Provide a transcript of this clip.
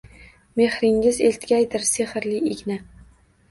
Mehringiz eltgaydir sehrli igna.